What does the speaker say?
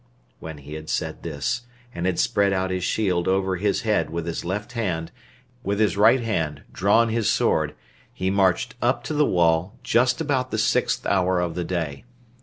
When he had said this, and had spread out his shield over his head with his left hand, and had, with his right hand, drawn his sword, he marched up to the wall, just about the sixth hour of the day.